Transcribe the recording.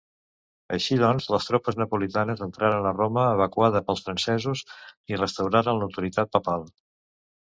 Així doncs, les tropes napolitanes entraren a Roma, evacuada pels francesos i restauraren l'autoritat papal.